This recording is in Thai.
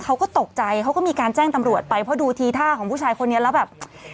เขาก็ตกใจเขาก็มีการแจ้งตำรวจไปเพราะดูทีท่าของผู้ชายคนนี้แล้วแบบ